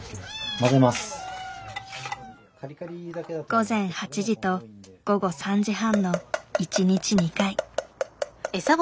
午前８時と午後３時半の一日２回。